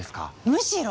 むしろ。